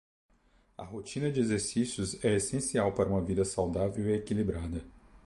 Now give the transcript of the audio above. A rotina de exercícios é essencial para uma vida saudável e equilibrada.